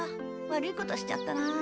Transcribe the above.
悪いことしちゃったなあ。